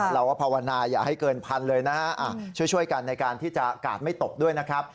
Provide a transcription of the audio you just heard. เราก็ภาวนาอย่าให้เกินพันเลยนะฮะช่วยกันในการที่จะกาดไม่ตกด้วยนะครับ